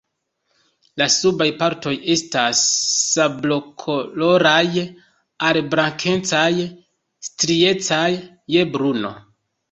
La subaj partoj estas sablokoloraj al blankecaj, striecaj je bruno.